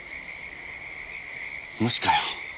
無視かよ。